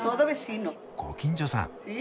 ご近所さん！